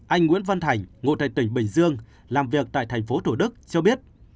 anh nguyễn văn thành ngộ tại tỉnh bình dương làm việc tại tp hcm cho biết